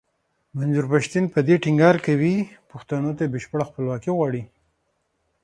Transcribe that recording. منظور پښتين په دې ټينګار کوي پښتنو ته بشپړه خپلواکي غواړي.